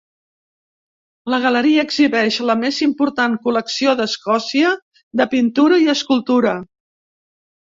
La galeria exhibeix la més important col·lecció d'Escòcia de pintura i escultura.